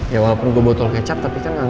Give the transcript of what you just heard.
ya walaupun gue botol kecap tapi kan kangen ya